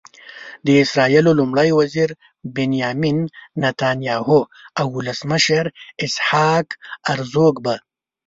د اسرائیلو لومړي وزير بنیامین نتنیاهو او ولسمشر اسحاق هرزوګ به.